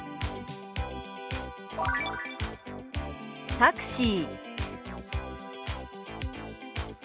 「タクシー」。